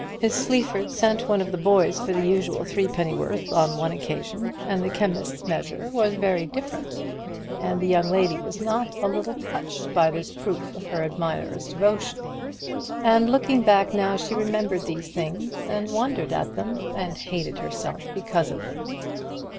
Miss Sleaford sent one of the boys for the usual threepenny worth on one occasion, and the chemist's measure was very different, and the young lady was not a little touched by this proof of her admirer's devotion. And looking back now she remembered these things, and wondered at them, and hated herself because of them.